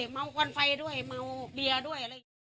เมาควรไฟเมาเบี่ยด้วย